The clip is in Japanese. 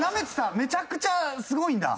めちゃくちゃすごいんだ。